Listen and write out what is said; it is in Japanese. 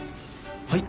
はい。